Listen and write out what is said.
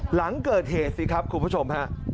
หลังเกิดเหตุสิครับคุณผู้ชมฮะ